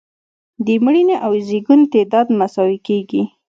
د مړینې او زیږون تعداد مساوي کیږي.